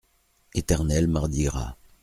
Éternel mardi gras.